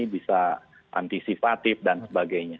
bisa antisipatif dan sebagainya